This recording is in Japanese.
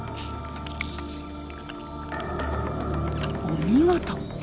お見事！